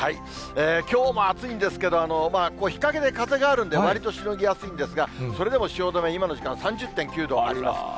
きょうも暑いんですけど、日陰で風があるんで、わりとしのぎやすいんですが、それでも汐留、今の時間、３０．９度あります。